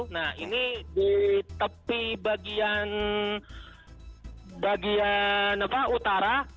nah ini di tepi bagian utara